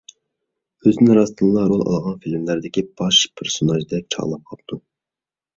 ئۆزىنى راستتىنلا رول ئالغان فىلىملاردىكى باش پېرسوناژدەك چاغلاپ قاپتۇ.